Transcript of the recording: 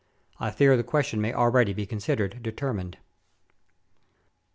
I fear the question may already be considered determined.